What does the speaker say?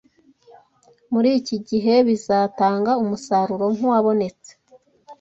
muri iki gihe bizatanga umusaruro nk’uwabonetse